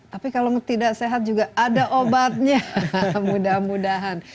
tapi kalau tidak sehat juga ada obatnya mudah mudahan